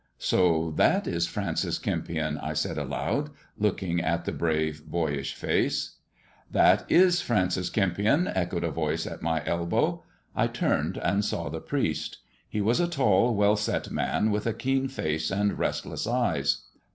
" So that ie Francis Kempion," I said aloud, looking at e brave, boyish face. 290 THE JESUIT AND THE MEXICAN CX)IN " That is Francis Kempion," echoed a voice at my elbow. I turned, and saw the priest. He was a tall, well set man, with a keen face and restless eyes.